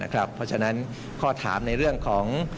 เพราะฉะนั้นข้อถามในเรื่องของ